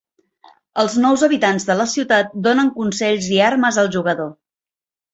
Els nous habitants de la ciutat donen consells i armes al jugador.